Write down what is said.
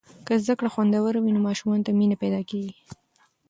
که زده کړه خوندوره وي، نو ماشومانو ته مینه پیدا کیږي.